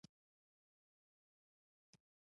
د پیرود ځای ته نوي جنسونه راغلي.